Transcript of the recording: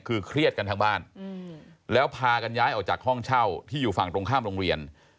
คือเครียดกันทั้งบ้านแล้วพากันย้ายออกจากห้องเช่าที่อยู่ฝั่งตรงข้ามโรงเรียน